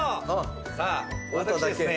さぁ私ですね。